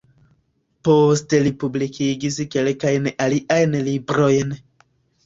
Poste li publikigis kelkajn aliajn librojn.